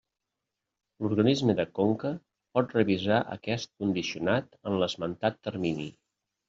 L'organisme de conca pot revisar aquest condicionat en l'esmentat termini.